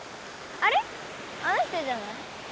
あの人じゃない？